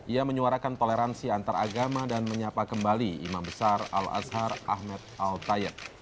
ia menyuarakan toleransi antaragama dan menyapa kembali imam besar al azhar ahmed al tayed